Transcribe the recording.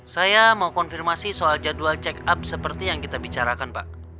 saya mau konfirmasi soal jadwal check up seperti yang kita bicarakan pak